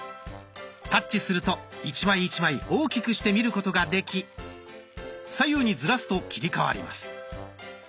タッチすると１枚１枚大きくして見ることができ左右にずらすと切り替わります。